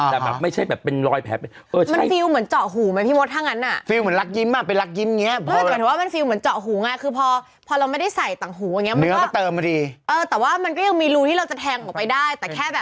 ส่งมาบอกพวกเราหน่อยมีคนสงสัยเหมือนพี่โมดบอกว่าไงรู้ไหม